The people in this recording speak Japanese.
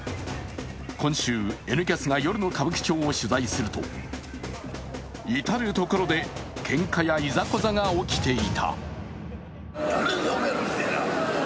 今週「Ｎキャス」が夜の歌舞伎町を取材すると、至るところでけんかやいざこざが起きていた。